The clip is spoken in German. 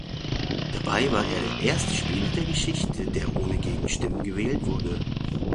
Dabei war er der erste Spieler der Geschichte, der ohne Gegenstimmen gewählt wurde.